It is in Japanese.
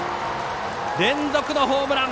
連続のホームラン。